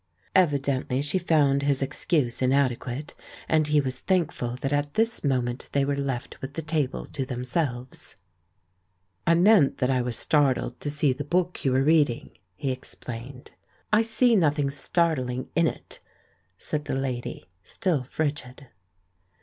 Evidently she found his excuse inadequate, and he was thankful that at this moment they were left with the table to themselves. "I meant 320 THE MAN WHO UNDERSTOOD WOMEN that I was startled to see the book you were read ing," he explained. "I see nothing startling in it," said the lady, still frigid.